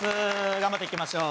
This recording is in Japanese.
頑張っていきましょう。